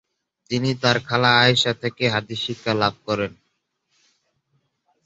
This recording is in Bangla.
তিনি তার খালা আয়িশা থেকে হাদিস শিক্ষা লাভ করেন।